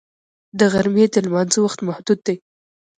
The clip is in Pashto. د غرمې د لمانځه وخت محدود دی